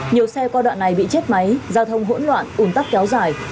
nhiều xe qua đoạn này bị chết máy giao thông hỗn loạn ủn tắc kéo dài